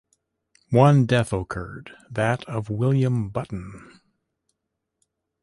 One death occurred, that of William Button.